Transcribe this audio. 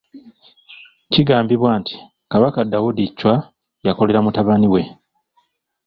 Kigambibwa nti Kabaka Daudi Chwa yakolera mutabani we.